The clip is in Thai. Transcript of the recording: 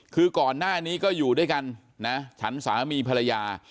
คือก่อนหน้านี้ก็อยู่ด้วยกันนะฉันสามีภรรยา